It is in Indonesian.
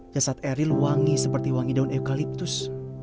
jasad eril wangi seperti wangi daun eukaliptus